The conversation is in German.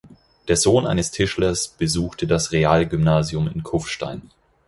Der Sohn eines Tischlers besuchte das Realgymnasium in Kufstein.